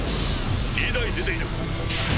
２台出ている。